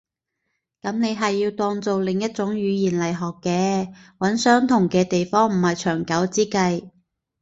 噉你係要當做另一種語言來學嘅。揾相同嘅地方唔係長久之計